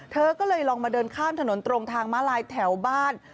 เธอก็เลยลองมาเดินข้ามถนนตรงทางม้าลายแถวบ้าน